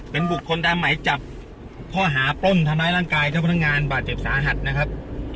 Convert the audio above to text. เป็นบุคคลตามหมายจับข้อหาปล้นทำร้ายร่างกายเจ้าพนักงานบาดเจ็บสาหัสนะครับ